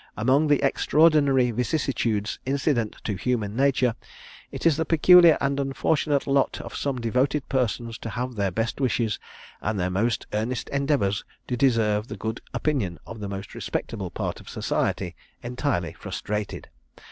Among the extraordinary vicissitudes incident to human nature, it is the peculiar and unfortunate lot of some devoted persons to have their best wishes, and their most earnest endeavours to deserve the good opinion of the most respectable part of society, entirely frustrated.